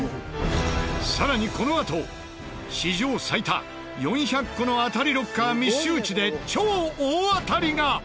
更にこのあと史上最多４００個の当たりロッカー密集地で超大当たりが。